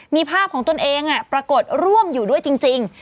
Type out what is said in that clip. มีภาพของตนเองปรากฏร่วมอยู่ด้วยจริง